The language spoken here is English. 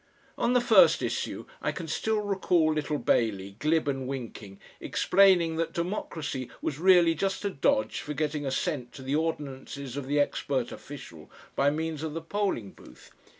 On the first issue I can still recall little Bailey, glib and winking, explaining that democracy was really just a dodge for getting assent to the ordinances of the expert official by means of the polling booth.